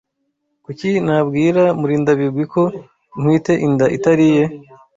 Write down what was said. Kuki nabwira Murindabigwi ko ntwite inda itari iye